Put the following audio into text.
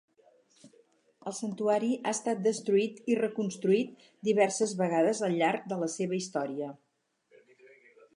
El santuari ha estat destruït i reconstruït diverses vegades al llarg de la seva història.